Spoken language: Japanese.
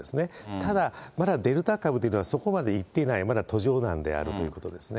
ただ、まだデルタ株というのはそこまでいっていない、まだ途上なんであるということですね。